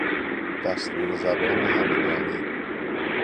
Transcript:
دستور زبان همگانی